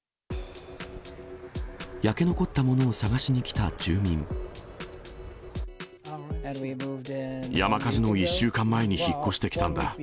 焼け残ったものを捜しに来た山火事の１週間前に引っ越してきたんだ。